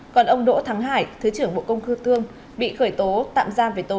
còn ông đỗ thắng hải thứ trưởng bộ công khư thương bị khởi tố tạm giam về tội nhận hồi lộ